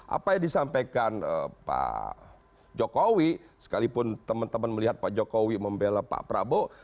apa yang disampaikan pak jokowi sekalipun teman teman melihat pak jokowi membela pak prabowo